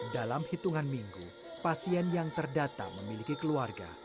dalam hitungan minggu pasien yang terdata memiliki keluarga